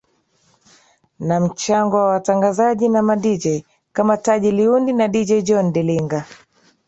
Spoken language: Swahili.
Na mchango wa watangazaji na Madj kama Taji Liundi na Dj John Dilinga